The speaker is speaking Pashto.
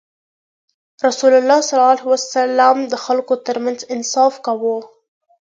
رسول الله ﷺ د خلکو ترمنځ انصاف کاوه.